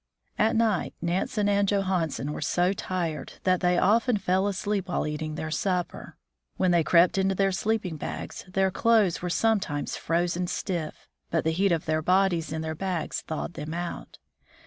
At night Nansen and Johansen were so tired that they often fell asleep while eating their supper. When they crept into their sleeping bags, their clothes were sometimes frozen stiff, but the heat of their bodies in their bags thawed them out.